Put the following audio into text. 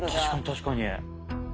確かに確かに。